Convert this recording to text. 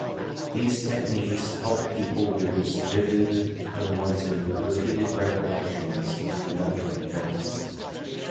These techniques help people reduce vivid, unwanted, repeated recollections of traumatic events.